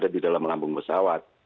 di dalam lambung pesawat